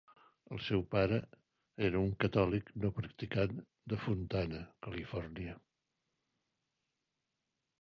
El seu pare era un catòlic no practicant de Fontana, Califòrnia.